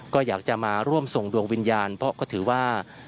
ก็อยากจะมาร่วมส่งดวงวิญญาณเพราะก็ถือว่า